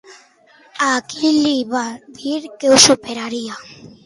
A qui li va dir que superaria?